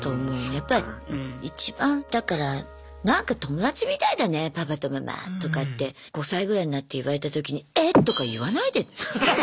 やっぱり一番だから「なんか友達みたいだねパパとママ」とかって５歳ぐらいになって言われたときに「えっ？」とか言わないでね。